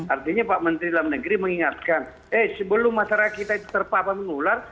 artinya pak menteri dan negeri mengingatkan eh sebelum masyarakat kita terpapang mengular